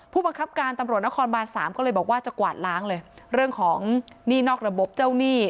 ผู้บังคับการตำรวจนครบานสามก็เลยบอกว่าจะกวาดล้างเลยเรื่องของหนี้นอกระบบเจ้าหนี้